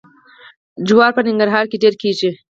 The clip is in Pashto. جوار په ننګرهار کې ډیر کیږي.